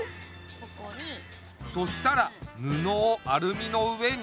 そしたらぬのをアルミの上にのせて。